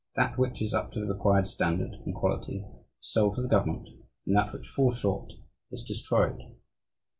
That which is up to the required standard (in quality) is sold to the government: and that which falls short is destroyed.